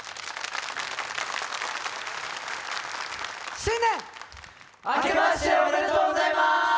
新年明けましておめでとうございます！